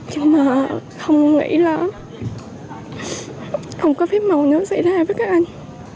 nhưng mà không nghĩ là không có phép mong nó xảy ra với các anh